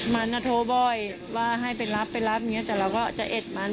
มันจะโทรบ่อยว่าให้เป็นรับแต่เราก็จะเอ็ดมัน